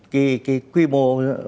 cái quy mô